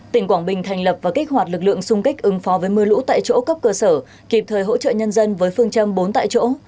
tỉnh quảng bình thành lập và kích hoạt lực lượng xung kích ứng phó với mưa lũ tại chỗ cấp cơ sở kịp thời hỗ trợ nhân dân với phương châm bốn tại chỗ